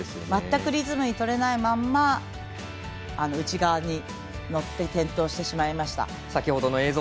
全くリズムを取れないまんま内側に乗って転倒してしまいました。